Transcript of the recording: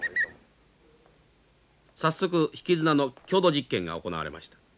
早速引き綱の強度実験が行われました。